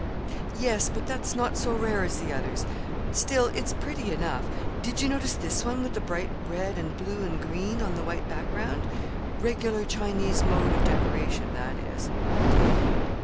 "Yes; but that's not so rare as the others. Still, it's pretty enough. Did you notice this one, with the bright red and blue and green on the white background? regular Chinese mode of decoration, that is."